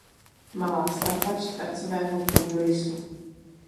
Malá stavba čtvercového půdorysu.